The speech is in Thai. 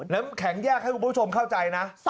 น้ำแข็งแยกให้คุณผู้ชมเข้าใจนะ